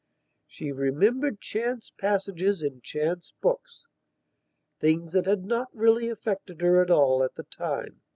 She remembered chance passages in chance booksthings that had not really affected her at all at the time.